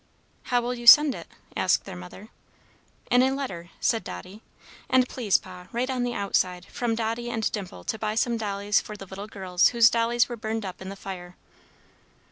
"How will you send it?" asked their Mother. "In a letter," said Dotty. "And please, Pa, write on the outside: 'From Dotty and Dimple, to buy some dollies for the little girls whose dollies were burned up in the fire.'"